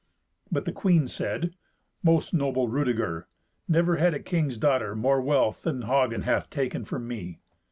But the queen said, "Most noble Rudeger, never had a king's daughter more wealth than Hagen hath taken from me."